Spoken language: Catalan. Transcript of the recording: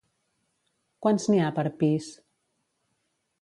Quants n'hi ha per pis?